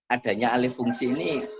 adanya alih fungsi ini